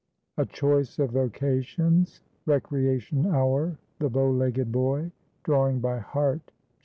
A CHOICE OF VOCATIONS.—RECREATION HOUR.—THE BOW LEGGED BOY.—DRAWING BY HEART.